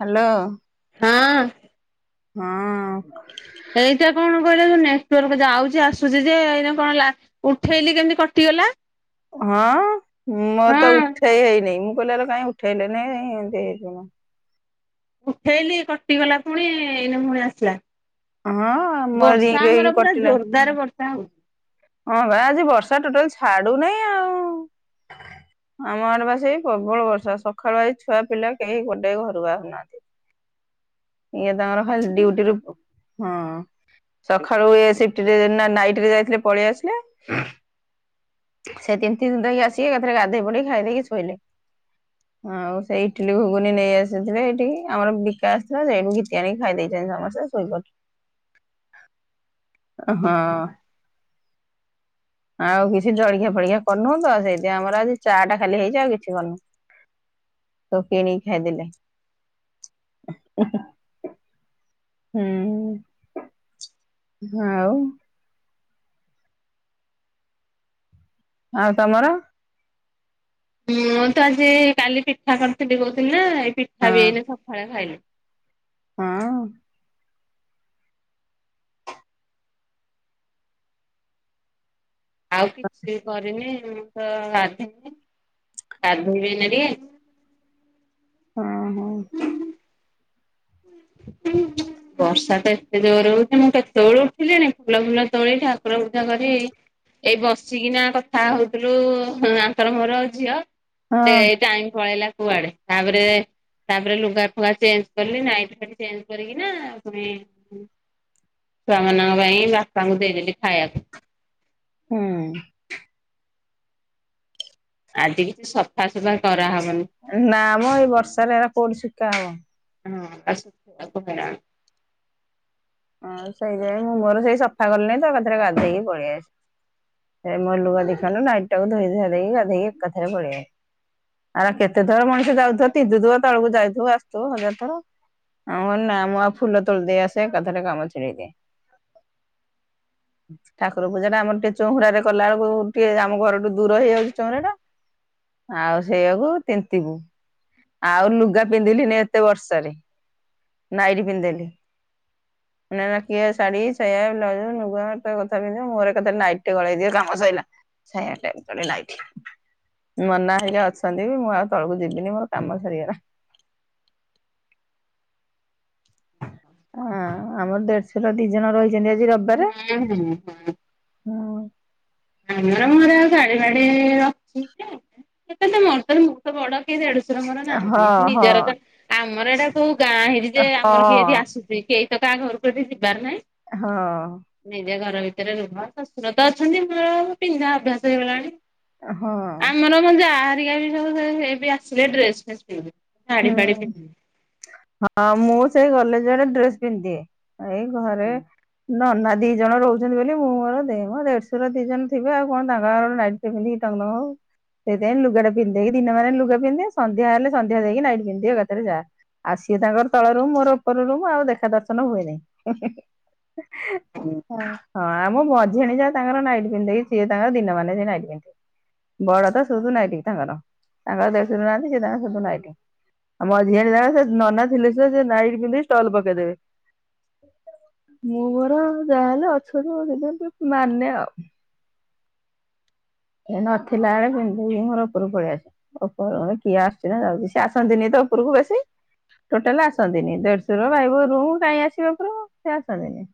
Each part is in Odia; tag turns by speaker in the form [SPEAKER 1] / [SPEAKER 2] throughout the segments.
[SPEAKER 1] ହ୍ୟାଲୋ।
[SPEAKER 2] ହଁ।
[SPEAKER 1] ହଁ।
[SPEAKER 2] ଏଇଟା କଣ କହିଲ ନେଟୱାର୍କ ଯାଉଚି ଆସୁଚି ଯେ ଏଇନା କଣ ଲା ଉଠେଇଲି ଯେମିତି କଟିଗଲା।
[SPEAKER 1] ହଁ ମୋର ତ
[SPEAKER 2] ହଁ
[SPEAKER 1] ଉଠେଇ ହେଇନି, ମୁଁ କହିଲି ଆଲୋ କାଇହିଁ ଉଠେଇଲେନି ଏମିତି ହେଇଗଲା।
[SPEAKER 2] ଉଠେଇଲି କଟିଗଲା ପୁଣି ଏଇନା ପୁଣି ଆସିଲା।
[SPEAKER 1] ହଁ ମୋ
[SPEAKER 2] ବର୍ଷା
[SPEAKER 1] ରିଙ୍ଗ ହେଇକି
[SPEAKER 2] ଆମର ପୁରା
[SPEAKER 1] କଟିଲା
[SPEAKER 2] ଜୋରଦାର ବର୍ଷା ହଉଚି।
[SPEAKER 1] ହଁ ବା ଆଜି ବର୍ଷା ଟୋଟାଲ ଛାଡ଼ୁ ନାହିଁ ଆଉ। ଆମ ଆଡ଼େ ବା ସେଇ ପ୍ରବଳ ବର୍ଷା ସକାଳୁ ଆଜି ଛୁଆ ପିଲା କେହି ଗୋଟେ ଘରୁ ବାହାରୁନାହାନ୍ତି। ଇଏ ତାଙ୍କର ଖାଲି ଡ୍ୟୁଟି ରୁ ହଁ। ସକାଳୁ ଏ ସିପ୍ଟି ରେ ନା ନାଇଟି ରେ ଯାଇଥିଲେ ପଳେଇ ଆସିଲେ। ସେ ତିିନ୍ତି ତିିନ୍ତାକି ଆସିକି ଏକାଥରେ ଗାଧୋଇ ପଡ଼ିକି ଖାଇ ଦେଇକି ଶୋଇଲେ। ଆଉ ସେଇ ଇଟିଲି ଘୁଗୁନି ନେଇ ଆସିଥିଲେ ଏଇଠି କି ଆମର ବିକା ଆଶି ସେ ସେମିତି ଘିତିଆଣିକି ଖାଇ ଦେଇଛନ୍ତି ସମସ୍ତେ ଶୋଇପଢ଼ି ହଁ। ଆଉ କିଛି ଜଳଖିଆ ଫଳଖିଆ କରିନୁଁ ତ ସେଥିପାଇଁ ଆମର ଆ ଚା ଟା ଖାଲି ହେଇଚି ଆଉ କିଛି କରିନୁଁ। ସବୁ କିଣିକି ଖାଇଦେଲେ। ହୁ ହୁ। ହୁଁ। ଆଉ। ଆଉ ତମର?
[SPEAKER 2] ମୁଁ ତ ଆଜି କାଲି ପିଠା କରିଥିଲି କହୁଥିଲି ଏଇ ପିଠା ବି
[SPEAKER 1] ହଁ
[SPEAKER 2] ଏଇନା ସକାଳେ ଖାଇଲି।
[SPEAKER 1] ହଁ।
[SPEAKER 2] ଆଉ କିଛି କରିନି, ମୁଁ ତ ଗାଧେଇନି ଗାଧେଇବି ଏଇନା ଟିକେ।
[SPEAKER 1] ହଁ, ହଁ।
[SPEAKER 2] [inaudible] ବର୍ଷା ତ ଏତେ ଜୋର ହଉଚି ମୁଁ କେତେବେଳୁ ଉଠିଲିଣି। ଫୁଲ ଫୁଲ ତୋଳି ଠାକୁର ପୁଜା କରି। ଏଇ ବସିକିନା କଥା ହଉଥିଲୁ ହୁଁ, ଆଙ୍କର ମୋର ଝିଅ। ସେ
[SPEAKER 1] ହଁ
[SPEAKER 2] ଟାଇମ୍ ପଳେଇଲା କୁଆଡ଼େ। ତାପରେ, ତାପରେ ଲୁଗା ଫୁଗା ଚେଞ୍ଜ କଲି। ନାଇଟି ଫାଇଟି ଚେଞ୍ଜ କରିକି ନା ପୁଣି [inaudible] ଛୁଆମାନଙ୍କ ପାଇଁ ବାପାଙ୍କୁ ଦେଇଦେଲି ଖାଇବାକୁ।
[SPEAKER 1] ହୁଁ।
[SPEAKER 2] ଆଜି କିଛି ସଫା ସଫା
[SPEAKER 1] ଏ ନା ମ ଏଇ ବର୍ଷାରେ ଏରା କୋଉଠି ଶୁକା ହବ?
[SPEAKER 2] ହଁ ଆସ [inaudible]
[SPEAKER 1] ହଁ ସେଇଥିପାଇଁ ମୁଁ ମୋର ସେଇ ସଫା କଲି ନାଇ ତ ଏକାଥରେ ଗାଧେଇକି ପଳି ଆସ ଏ ମ ଲୁଗା ଦିଖଣ୍ଡ ନାଇଟ୍ ଟାକୁ ଧୋଇ ଧୁଆ ଦେଇକି ଗାଧେଇକି ଏକାଥରେ ପଳିଆଏ। ଆରା କେତେଥର ମଣିଷ ଯାଉଥିବ, ତିନ୍ତୁଥିବ, ତଳକୁ ଯାଉଥୁବ ଆସଥୁବ ହଜାର ଥର। ଆ ମୁଁ କହିନି ନା ମୁଁ ଆଉ ଫୁଲ ତୋଳି ଦେଇ ଆସେ ଏକାଥରେ କାମ ଛିଡ଼େଇ ଦିଏ। ଠାକୁର ପୂଜା ଟା ଆମର ଟିକେ ଚହୁଁରାରେ କଲା ବେଳକୁ ଟିକେ ଆମ ଘରଠୁ ଦୂର ହେଇଯାଉଛି ଚଉଁରା ଟା। ଆଉ ସେଇଆକୁ ତିନ୍ତିବୁ। ଆଉ ଲୁଗା ପିନ୍ଧିଲିନି ଏତେ ବର୍ଷାରେ ନାଇଟି ପିନ୍ଧିଦେଲି। ମାନେ ଏଇନା କିଏ ଶାଢୀ, ସାୟା, ବ୍ଲାଉଜ୍ ନୁଗା ଏତେ କଥା ପିନ୍ଧିବ। ମୋର ଏକାଥରେ ନାଇଟ୍ ଟେ ଗଳେଇ ଦିଏ କାମ ସଇଲା। ସାୟା ଚେଞ୍ଜ କଲି ନାଇଟି। ନନା ହେରିକା ଅଛନ୍ତି ବି ମୁଁ ଆଉ ତଳକୁ ଯିବିନି ମୋର କାମ ସରିଗଲା। ହଁ ଆମର ଦେଢଶୁର ଦି ଜଣ ରହିଚନ୍ତି ଆଜି ରବ
[SPEAKER 2] [unintelligible] ଆମର ମୋର ଆଉ ଶାଢୀ ମାଡି ଅଛି ଯେ। କେତେ ସେ ମୋର ତ ମୁଁ ତ ବଡ କେ ଦେଡଶୁ ଶୁର ମୋର ନାହାନ୍ତି। ଏଠି
[SPEAKER 1] ହଁ
[SPEAKER 2] ନିଜର
[SPEAKER 1] ହଁ
[SPEAKER 2] ତ ଆମର ଏଟା କୋଉ ଗାଁ ହେଇଚି ଯେ ଆମର କିଏ ଏଠି
[SPEAKER 1] ହଁ
[SPEAKER 2] ଆସୁ ଚି କେଇ ତ କା ଘରକୁ ଏଠି ଯିବାର ନାହିଁ।
[SPEAKER 1] ହଁ।
[SPEAKER 2] ନିଜେ ଘର ଭିତରେ ରୁହ। ଶଶୁର ତ ଅଛନ୍ତି, ମୋର ପିନ୍ଧା ଅଭ୍ୟାସ ହେଇଗଲାଣି।
[SPEAKER 1] ଏ ହଁ।
[SPEAKER 2] ମୋର ମୋ ଯା ହେରିକା ବି ସବୁ ସେ ସେ ବି ଆସିଲେ ଡ୍ରେସ୍ ଫ୍ରେସୂ ପିନ୍ଧେ। ଶାଢ଼ୀ
[SPEAKER 1] ହୁଁ
[SPEAKER 2] ଫାଡି ସେ ପିନ୍ଧେନି।
[SPEAKER 1] ହଁ ମୁଁ ସେଇ ଗଲେ ଯିଆଡେ ଡ୍ରେସ୍ ପିନ୍ଦ ଦିଏ। ଏଇ ଘରେ ନନା ଦି ଜଣ ରହୁଛନ୍ତି ବୋଲି ମୁଁ ମୋର ଦେ ମୋ ଦେଢଶୁର ଦି ଜଣ ଥିବେ। ଆଉ କଣ ତାଙ୍କ ଆଗରେ ନାଇଟ୍ ସେ ପିନ୍ଧିକି ଟଙ୍ଗ ମଙ୍ଗ ହଉ। ସେଇଥି ପାଇଁ ଲୁଗଟା ପିନ୍ଦ ଦେଇକି ଦିନମାନ ଲୁଗା ପିନ୍ଦ ଦିଏ। ସନ୍ଧ୍ୟା ହେଲେ ସନ୍ ଧୁଆ ଧୋଇ ହେଇ ନାଇଟି ପିନ୍ଦଦିଏ ରାତିରେ ଯା। ଆଉ ସିଏ ତାଙ୍କର ତଳ ରୁମ୍। ମୋର ଉପର ରୁମ୍ ଆଉ ଦେଖା ଦର୍ଶନ ହୁଏ ନାହିଁ।
[SPEAKER 2] ହଁ।
[SPEAKER 1] ହଁ ଆଉ ମୋ ମଝିଆଣି ଯା ତାଙ୍କର ନାଇଟ୍ ପିନ୍ଧିଦେଇକି ସିଏ ତାଙ୍କର ଦିନ ମାନେ ସେ ନାଇଟ୍ ପିନ୍ଧିଥିବେ। ବଡ ତ ସୁଧୁ ନାଇଟି ତାଙ୍କର, ତାଙ୍କର ଦେଢଶୁର ନାହାନ୍ତି ସିଏ ତାଙ୍କର ସୁଧୁ ନାଇଟ। ଆ ମଝିଆଣି ଯା ସିଏ ନନା ଥିଲେ ସେ ସେ ନାଇଟି ପିନ୍ଧିକି ଷ୍ଟଲ୍ ପକେଇଦେବେ। ମୁଁ ମୋର ଯାହାହେଲେ ଅଛନ୍ତି, ମୁଁ ସେଇଥିପାଇଁ ଟିକେ ମାନେ ଆଉ। ଏ ନଥିଲା ବେଳେ ପିନ୍ଧି ଦେଇକି ମୋର ଉପରକୁ ପଳିଆସେ। ଉପର ଏ କିଏ ଆସୁଛି ନା ଯାଉଚି ସଃ ଆସନ୍ତିନି ତ ଉପରକୁ ବେଶୀ। ଟୋଟାଲ ଆସନ୍ତିନି। ଦେଢଶୁର ଭାଇବୋହୁ ରୁମ୍ କାଇଁ ଆସିବେ ଉପରକୁ ସେ ଆସନ୍ତିନି।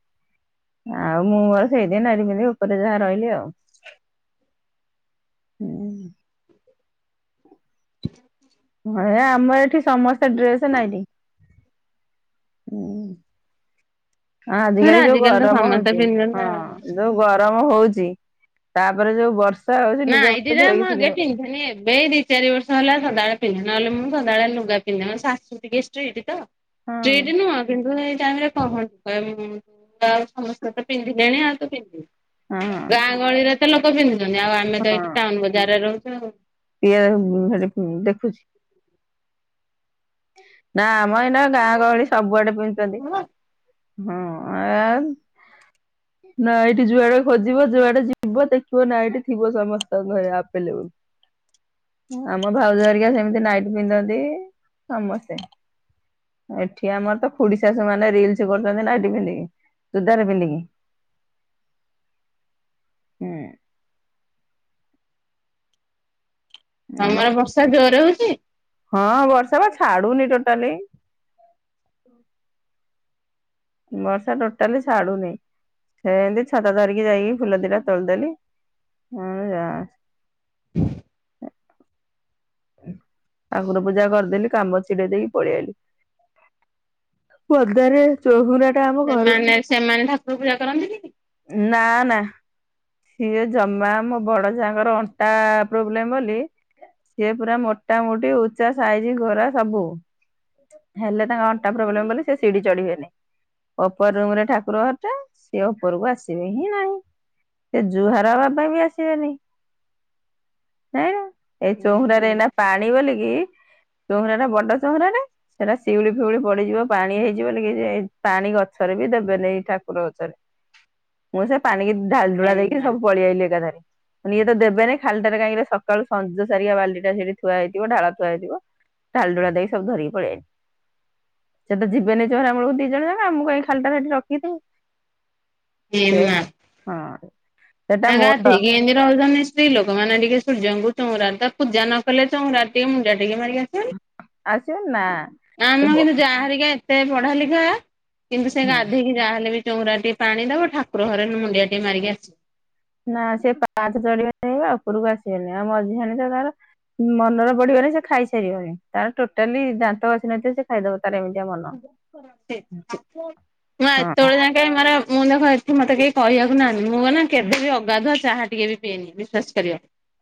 [SPEAKER 1] ଆଉ ମୁଁ ମୋର ସେଇଠି ନାଇଟି ପିନ୍ଧିକି ଉପରେ ଯାହା ରହିଲି ଆଉ। ହୁଁ। ହେ ଆମ ଏଠି ସମସ୍ତେ ଡ୍ରେସ୍, ନାଇଟି। ଉଁ,
[SPEAKER 2] ଧର
[SPEAKER 1] ଆଜିକାଲି ଯୋଉ
[SPEAKER 2] ତ
[SPEAKER 1] ଗରମ
[SPEAKER 2] ସମସ୍ତେ
[SPEAKER 1] ହଉଚି,
[SPEAKER 2] ପିନ୍ଧୁଛନ୍ତି
[SPEAKER 1] ହଁ
[SPEAKER 2] ଆଉ।
[SPEAKER 1] ଯୋଉ ଗରମ ହଉଚି। ତାପରେ ଯୋଉ ବର୍ଷ
[SPEAKER 2] ନାଇଟିଟା ମୁଁ [unintelligible] ପିନ୍ଧିନି ଏବେ ଏଇ ଦି ଚାରି ବର୍ଷ ହେଲା ସଦାବେଳେ ପିନ୍ଧେ, ନହେଲେ ମୁଁ ସଦାବେଳେ ଲୁଗାପିନ୍ଧେ ମୋ ଶାଶୁ ଟିକେ ଷ୍ଟ୍ରିକ୍ଟ ତ।
[SPEAKER 1] ହଁ
[SPEAKER 2] ଷ୍ଟ୍ରିକ୍ଟ୍ ନୁହଁ କନ୍ତୁ ଏ ଟାଇମ୍ ରେ [unintelligible] [unintelligible] ସମସ୍ତେ ତ ପିନ୍ଧିଲେଣି ଆଉ ତୁ ପିନ୍ଧିବୁ
[SPEAKER 1] ହଁ
[SPEAKER 2] ଗାଁ ଗହଳିରେ ସେ ଲୋକ ପିନ୍ଧୁଛନ୍ତି ଆଉ ଆମେ ତ
[SPEAKER 1] ହଁ
[SPEAKER 2] ଏଇଠି ଟାଉନ୍ ବଜାରରେ ରହୁଛୁ ଆଉ।
[SPEAKER 1] [unintelligible] ସେଠି ଦେଖୁଛି। ନା ମ ଏଇନା ଗାଁ ଗହଳି ସବୁଆଡେ ପିନ୍ଧୁଚନ୍ତି।
[SPEAKER 2] ହଁ
[SPEAKER 1] ହଁ [unintelligible] ନାଇଟି ଯୁଆଡେ ଖୋଜିବ ଯୁଆଡେ ଯିବ ଦେଖିବ ନାଇଟି ଥିବ ସମସ୍ତଙ୍କ ଘରେ ଆଭେଲେବୁଲ୍। ଆମ ଭାଉଜ ହେରିକା ସେମିତି ନାଇଟି ପିନ୍ଧନ୍ତି, ସମସ୍ତେ। ଏଠି ଆମର ତ ଖୁଡି ଶାଶୁ ମାନେ ରିଲ୍ସ କରୁଛନ୍ତି ନାଇଟି ପିନ୍ଧିକି ଚୁଦାର ପିନ୍ଧିକି। ହୁଁ ଆମ
[SPEAKER 2] ତମର ବର୍ଷା ଜୋରେ ହଉଚି?
[SPEAKER 1] ହଁ ବର୍ଷା ବା ଛାଡୁନି ଟୋଟାଲି। ବର୍ଷା ଟୋଟାଲି ଛାଡୁନି, ସେନ୍ତି ଛତା ଧରିକି ଯାଇକି ଫୁଲ ଦଟା ତୋଳିଦେଲି। ହଁ ଯା। ଠାକୁର ପୂଜା କରିଦେଲି କାମ ଛିଡେଇ ଦେଇକି ପଳେଇଆଇଲି। ପଦାରେ ଚହୁରା ଟା। ଆମ ଘରଠୁ
[SPEAKER 2] ସେମାନେ-ସେମାନେ ଠାକୁର ପୂଜା କରନ୍ତିନି?
[SPEAKER 1] ନା-ନା। ସିଏ ଜମା ମୋ ବଡ଼ ଜାଆଙ୍କର ଅଣ୍ଟା ପ୍ରୋବ୍ଲେମ୍ ବୋଲି ସିଏ ପୁରା ମୋଟାମୋଟି ଉଚ୍ଚା ସାଇଜି ଗୋରା ସବୁ। ହେଲେ ତାଙ୍କ ଅଣ୍ଟା ପ୍ରୋବ୍ଲେମ୍ ବୋଲି ସେ ସିଡିି ଚଢିବେନି। ଓପର ରୁମ୍ ରେ ଠାକୁର ଘରଟା, ସିଏ ଓପରକୁ ଆସିବେ ହିଁ ନାହିଁ। ସେ ଜୁହାର ହେବା ପାଇଁ ବି ଆସିବେନି। [unintelligible] ଏଇ ଚହୁରାରେ ଏଇନା ପାଣି ବୋଲିକି ଚହୁରାଟା ବଡ ଚହୁରାଟା ସେଟା ସିଉଳି ଫିଉଳି ପଡିଯିବ ପାଣି ହେଇଯିବ [unintelligible] ପାଣି ଗଛରେ ବି ଦେବେନେଇଁ ଠାକୁର ଗଛରେ। ମୁଁ ସେ ପାଣିିକି ଢାଳ ଢୁଳା ଦେଇକି
[SPEAKER 2] ଏମା
[SPEAKER 1] ସବୁ ପଳେଇଆଇଲି ଏକାଥେରେ। [unintelligible] ଇଏ ତ ଦେବେନେଇଁ ଖାଲିଟାରେ କାହିଁକି ସକାଳୁ ସଞ୍ଜ ସାରିକା ବାଲ୍ଟି ଟା ସେଇଠି ଥୁଆ ହେଇଥିବ ଢାଳ ଥୁଆ ହେଇଥିବ। ଢାଳ ଢୁଳା ଦେଇକି ସବୁ ଧରିକି ପଳେଇଆଇଲି। ସେ ତ ଯିବେନି ଚହୁରା ମୂଳକୁ ଦି ଜଣ ଯାକ ଆ ମୁ କାଇଁ ଖାଲଟାରେ ଏଠି [unintelligible] ସେୟା
[SPEAKER 2] ଏମା
[SPEAKER 1] ହଁ। ସେଟା ମୋର
[SPEAKER 2] ଗାଧେଇକି ଏନ୍ତି [unintelligible] ସ୍ତ୍ରୀ ଲୋକମାନେ ଟିକେ ସୂର୍ଯ୍ୟଙ୍କୁ ଚଉରାରେ ତ ପୂଜା ନ କଲେ, ଚଉରାରେ ଟିକେ ମୁଣ୍ଡିଆ ଟିକେ ମାରିକି ଆସିବନି।
[SPEAKER 1] ଆସିବ ନା ଏ
[SPEAKER 2] ଆମ
[SPEAKER 1] ବ
[SPEAKER 2] କିନ୍ତୁ ଜା ହେରିକା ଏତେ ପଢାଲିଖା କିନ୍ତୁ ସେ
[SPEAKER 1] ହୁଁ।
[SPEAKER 2] ଗାଧେଇକି ଯାହାହେଲେ ବି ଚଉରାରେ ଟିକେ ପାଣି ଦବ ଠାକୁର ଘରେ ମୁଣ୍ଡିଆଟିଏ ମାରିକି ଆସି
[SPEAKER 1] ନା ସିଏ ପାହଚ ଚଢିବେନି ଉପରକୁ ଆସିବେନି ଆଉ ମଝିଆଣି ତ ତାର ମନର ପଡିବନି ସେ ଖାଇସାରିବଣି ତାର ଟୋଟାଲି ଦାନ୍ତ ଘସି ନଥିବ ସେ ଖାଇଦବ। ତାର ଏମିତିଆ ମନ।
[SPEAKER 2] ମୁଁ ଆ
[SPEAKER 1] ହଁ
[SPEAKER 2] ଏତବଳ ଯାଙ୍କେ ମାନେ ମୁଁ ଦେଖ ଏଠି ମତେ କେହି କହିଆକୁ ନାହାନ୍ତି ମୁଁ ମନେ କେବେବି ଅଗାଧୁଆ ଚାହା ଟିକେ ବି ପିଏନି ବିଶ୍ୱାସ କରିବ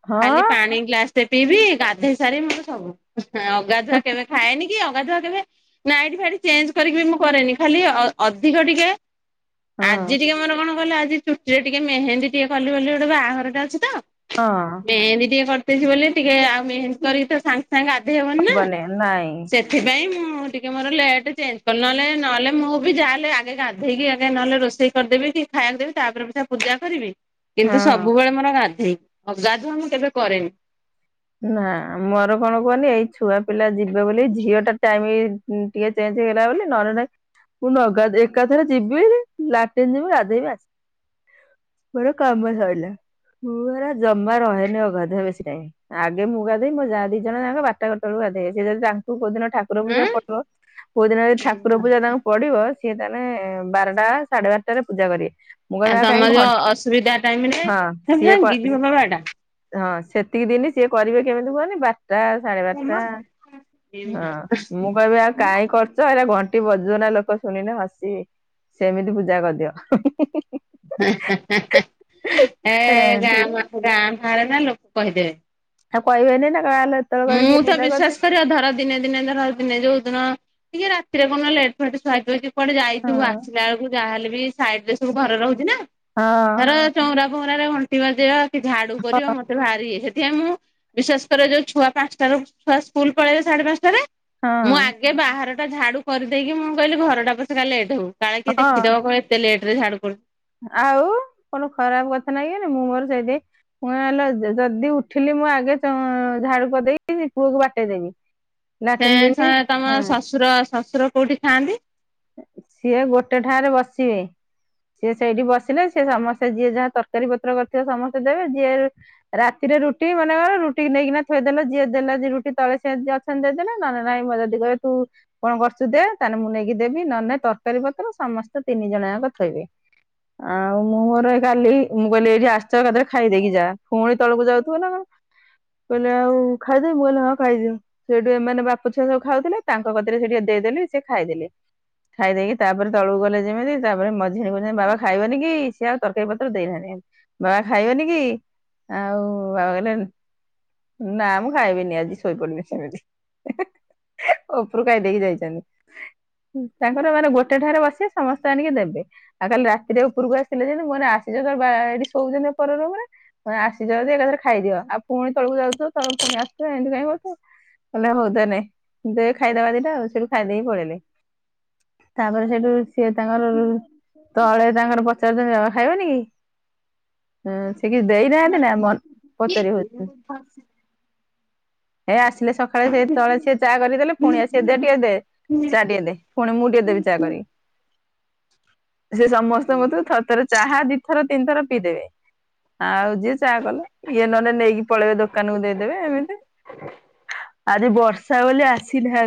[SPEAKER 1] ହଁ
[SPEAKER 2] ଖାଲି ପାଣି ଗ୍ଲାସ୍ ଟେ ପିଇବି ଗାଧୋଇ ସାରି ମୋର ସବୁ, ଅଗାଧୁଆ କେବେ ଖାଏନି କି ଅଗାଧୁଆ କେବେ ନାଇଟି ଫାଇଟି ଚେଞ୍ଜ କରିକି ବି ମୁଁ କରେନି, ଖାଲି ଅଧିକ ଟିକେ
[SPEAKER 1] ହଁ
[SPEAKER 2] ଆଜି ଟିକେ ମୋର କଣ [unintelligible] ଆଜି ଚୁଟିରେ ଟିକେ ମେହେନ୍ଦୀ ଟିକେ କଲି ବୋଲି ଗୋଟେ ବାହାଘରଟା ଅଛି ତ।
[SPEAKER 1] ହଁ।
[SPEAKER 2] ମେହେନ୍ଦି ଟିକେ କରିଦେଇଛି ବୋଲି ଟିକେ ଆଉ ମେହେନ୍ଦି କରିକି ତ ସାଙ୍ଗେ-ସାଙ୍ଗେ ଗାଧେଇ ହବନି ନା ସେ ଥିପାଇଁ ମୁଁ ଟିକେ ମୋର ଲେଟ୍ ଚେଞ୍ଜ କଲି ନହଲେ-ନହେଲେ ମୁଁ ବି ଯାହା ହେଲେ ଆଗେ ଗାଧେଇକି ଆଗେ ନହେଲେ ରୋଷେଇ କରିଦେବି କି ଖାଇବାକୁ ଦେବି ତାପରେ ପ ସୋ ପୂଜା କରିବି କିନ୍ତୁ
[SPEAKER 1] ହଁ
[SPEAKER 2] ସବୁବେଳେ ମୋର ଗାଧୋଇ, ଅଗାଧୁଆ ମୁଁ କେବେ କରେନି।
[SPEAKER 1] ନା ମୋର କଣ କୁହନି ଏଇ ଛୁଆ ପିଲା ଯିବେ ବୋଲି ଝିଅ ଟା ଟାଇମ ଟିକେ ଚେଞ୍ଜ ହେଇଗଲା ବୋଲି, ନରେ ନହିଁ ମୁୁ ନଗା ଏକାଥରେ ଯିବି ଲାଟିନ୍ ଯିବି ଗାଧୋଇବି ଆସିବି। ମୋର କାମ ସରିଲା ମୁଁ ହେରା ଜମା ରହେନି ଅଗାଧା ବେଶୀ ଟାଇମ୍ ଆଗେ ମୁଁ ଗାଧେଇିମି ମୋ ଯାଅ ଦିଟା ଯାକ ବାଟାଟ କୁ ଗୋଟେ ଗାଧେଇବେ। ସେ ଯଡ଼ି ଠାରତାଙ୍କୁ କେଉଦିନ ାକୁ ଠାକୁର
[SPEAKER 2] ହଁ
[SPEAKER 1] ପୂଜା ପର୍ବ, କୋଉ ଦିନ ଯ ଠାକୁର ପୂଜା ତାଙ୍କୁ ପଡିବ ସିଏ ତାହେଲେ ବାରଟା ସାଢେ ବାରଟାରେ ପୂଜା କରିବେ। ମୁଁ କହିବି ଆଉ
[SPEAKER 2] ତମ
[SPEAKER 1] କାହିଁ,
[SPEAKER 2] ଯୋଉ
[SPEAKER 1] ଘନ୍
[SPEAKER 2] ଅସୁବିଧା ଟାଇମ ରେ
[SPEAKER 1] ହଁ, ସିଏ କଅ
[SPEAKER 2] ଭାଙ୍ଗିଯିବ ବା
[SPEAKER 1] ହଁ ସେତିକି ଦିନି ସିଏ କରିବେ କେମିତି କୁହନି ବା ବରଟା ସାଢ଼େ ବାରଟା,
[SPEAKER 2] ବାଡା
[SPEAKER 1] ହଁ ମୁଁ କହିବି ଆଉ କାଇଁ କରୁ କରୁଛ ହେଲା ଘଣ୍ଟି ବଜୁନ ଲୋକ ଶୁଣିଲେ ହସିବେ ସେମିତି ପୂଜା କରିଦିଅ।
[SPEAKER 2] ଏ
[SPEAKER 1] ଏନ୍ତି
[SPEAKER 2] ଗାଁ ଗାଁ ବାହାରେ ନା ଲୋକ କହିଦେବେ।
[SPEAKER 1] ଆଉ କହିବେନି ନା, କହ [unintelligible]
[SPEAKER 2] ମୁଁ ତ ବିଶ୍ୱାସ କରିବା ଧର ଦିନେ ଦିନେ ଧର ଦିନେ ଯୋଉ ଦିନ ଟିକେ ରାତିରେ କଣ ଲେଟ୍ ଫେଟ [unintelligible] କୁଆଡ଼େ ଯାଇଥିବୁ
[SPEAKER 1] ହଁ
[SPEAKER 2] ଆସିଲା ବେଳକୁ ଯାହାହେଲେ ବି ସାଇଡ୍ ରେ ସବୁ ଘରେ ରହୁଛି ନା?
[SPEAKER 1] ହଁ
[SPEAKER 2] ଧର ଚଉଁରା ଫଊଂରା ରେ ଘଣ୍ଟି ବାଜିବା କି ଝାଡୁ କରି ବା ମତେ ଭାରି ଇଏ, ସଥିପାଇଁ ମୁଁ ବିଶ୍ୱାସ କରେ ଉ ଛୁଆ ପାଞ୍ଚଟାରୁ ସ୍କୁଲ ପଳେଇବେ ସାଢ଼େ ପାଞ୍ଚଟାରେ ମୁଁ ଆ
[SPEAKER 1] ହଁ
[SPEAKER 2] ଆଗେ ବାହାରଟା ଝାଡୁ କରିଦେଇକି ମୁଁ କହିଲି ଘରଟା ପଛେ ଲେଟ୍ ହଉ କାଳେ କିଏ
[SPEAKER 1] ହଁ
[SPEAKER 2] ଦେଖିଦବ କହିବ ଲେଟରେ ଝାଡୁ କରୁଛି।
[SPEAKER 1] ଆଉ କଣ ଖରାପ କଥା ନାଇଁ କି ମୁଁ ମୋର ସେଇଥି ମୁଁ ହେଲ ଯଦି ଉଠିଲି ମୁଁ ଆଗେ ଝାଡୁ ପଦେଇ ପୁଅକୁ ବତେଇ ଦେବି।
[SPEAKER 2] ସେ
[SPEAKER 1] ଲାଟିନ୍ ଯିବି
[SPEAKER 2] ତମ
[SPEAKER 1] ହଁ
[SPEAKER 2] ଶ୍ୱଶୁର ଶ୍ୱଶୁର କୋଉଠି ଖାଆନ୍ତି?
[SPEAKER 1] ସିଏ ଗୋଟେ ଠାରେ ବସିବେ। ସିଏ ସେଇଠି ବସିଲେ ସିଏ ସମସ୍ତେ ଯିଏ ଯାହା ତରକାରୀ ପତ୍ର କରିଥିବ ସମସ୍ତେ ଦେବେ ଯିଏ ରାତିରେ ରୁଟି ମାନେ କ ରୁଟି ନେଇକିନା ଥୋଇଦେଲ ଯିଏ ଦେଲା ଯ ରୁଟି ତଳେ ସ ଦେଇଦେ ନ ନାଇଁ ଯଦି କହେ ତୁ କଣ କରୁଛୁ ଦେ ତାହେଲେ ମୁଁ ନେଇକି ଦେବି ନ ନେ ତରକାରୀ ପତ୍ର ସମସ୍ତେ ତିନି ଜଣ ଯାକ ଥୋଇବେ। ଆଉ ମୁଁ ମୋର କାଲି ମୁଁ କହିଲି ଏଇଠି ଆସିଛ ବେଳେ ଖାଇଦେଇକି ଯା ପୁଣି ତଳକୁ ଯାଉଥିବ ନା କଣ? କହିଲେ ଆଉ ଖାଇଦେବି ମୁଁ କହିଲି ହଁ ଖାଇଦିଅ। ସେଇଠୁ ଏମାନେ ବାପ ଛୁଆ ସବୁ ଖାଉଥିଲେ ତାଙ୍କ କଥାରେ ସେ ଟିକେ ଦେଇଦେଲି ସେ ଖାଇଦେଲେ। ଖାଇ ଦେଇେଇକି ତାପରେ ତଳକୁ ଗଲେ ଯେମିତି ତାପରେ ମଝିରେ ମଝିରେ ବାବା ଖାଇବନି କି ସି ଆଉ ତରକାରୀ ପତ୍ର ଦେଇନାହାନ୍ତି। ବାବା ଖାଇବନି କି ଆଉ ବାବା କହିଲେ ନା ମୁଁ ଖାଇବିନି ଆଜି ଶୋଇପଡ଼ିଲି ସେମିତି। ଉପରୁ ଖାଇ ଦେଇକି ଯାଇଛନ୍ତି। ତାଙ୍କର ମାନେ ଗୋଟେ ଠାରେ ବସି ସମସ୍ତେ ଆଣିକି ଦେବେ। ଆଉ କାଲି ରାତିରେ ଉପରକୁ ଆସିଲେ ଯେମିତି ମନେ ଆସିଛନ୍ତି ତ ଏଠି ଶୋଉଛନ୍ତି ଉପର ରୁମରେ ଆସିଛ ଏକାଥରେ ଖାଇଦିଅ ଆଉ ପୁଣି ତଳକୁ ଯାଉଛ ତ ପୁଣି ଆସିବ ଏମିତି କାଇଁ ହଉଥିବ। ହେଲେ ହଉ ତ ନାଇୁ ଦେ ଖାଇଦବା ଦିଟା ଆଉ ସେଠୁ ଖାଇଦେଇକି ପଳେଇଲେ। ତାପରେ ସେଇଠୁ ସିଏ ତାଙ୍କର ତଳେ ତାଙ୍କର ପଚାରୁଛନ୍ତି ବାବା ଖାଇବନି କି? ହୁଁ ସେ କିଛି ଦେଇ ନାହାନ୍ତି ନା ପଚାରି ହଉଛି। ହେ ଆସିଲେ ସକାଳେ ସେ ତଳେ ସିଏ ଚା କରିଦେଲେ ପୁଣି ଆସ ଦେ ଟିକେ ଦେ ଚା ଟିକେ ଦେ। ପୁଣି ମୁଁ ଟିକେ ଦେବି ଚା କରି ସେ ସମସ୍ତଙ୍କ ଥରେ ଥରେ ଚାହା ଦିଥର ତିନିଥର ପିଇଦେବେ। ଆ ଆଉ ଯିଏ ଚାହା କଲେ, ଇଏ ନହଲେ ନେଇକି ପଳେଇବେ ଦୋକାନକୁ ଦେଇଦେବେ ଏମିତି। ଆଜି ବର୍ଷା ବୋଲି ଆସିନାହାନ୍ତି।